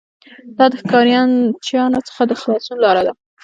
دا د ښکارچیانو څخه د خلاصون لاره ده